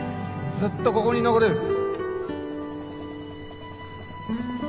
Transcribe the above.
ずっとここに残る